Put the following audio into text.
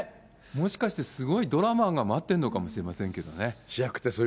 もしかしてすごいドラマが待ってるのかもしれませんけどもね。